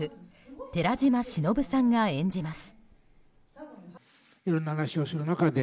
寺島しのぶさんが演じます。